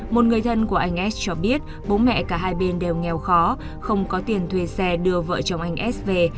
một người thân của anh ed cho biết bố mẹ cả hai bên đều nghèo khó không có tiền thuê xe đưa vợ chồng anh s về